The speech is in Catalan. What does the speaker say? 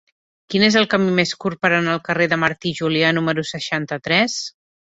Quin és el camí més curt per anar al carrer de Martí i Julià número seixanta-tres?